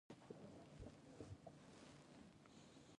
بریالۍ کیسه عقلمن انسان ته ستر ځواک ورکوي.